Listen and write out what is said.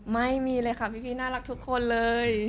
ไม่มีเลยค่ะพี่น่ารักทุกคนเลย